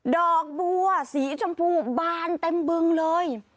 ดอกบัวสีชมพูบานเต็มบึงเลย